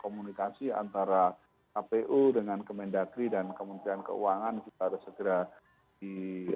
komunikasi antara kpu dengan kemendagri dan kementerian keuangan kita harus segera di